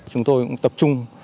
chúng tôi cũng tập trung